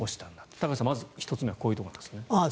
高橋さん、まず１つ目はこういうことなんですね。